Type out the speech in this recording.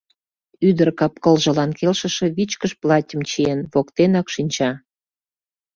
Ӱдыр кап-кылжылан келшыше вичкыж платьым чиен, воктенак шинча.